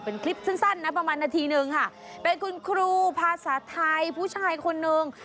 เป็นคลิปสั้นสั้นนะประมาณนาทีหนึ่งค่ะเป็นคุณครูภาษาไทยผู้ชายคนนึง